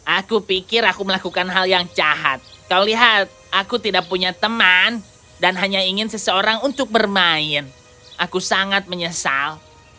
aku pikir aku melakukan hal yang jahat kau lihat aku tidak punya teman dan hanya ingin seseorang untuk bermain aku sangat menyesal